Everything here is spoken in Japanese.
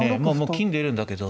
金出るんだけど。